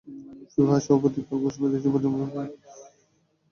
FIFA সভাপতি কাল ঘোষণা দিয়েছেন, পঞ্চম মেয়াদে সভাপতি পদে নির্বাচন করবেন তিনি।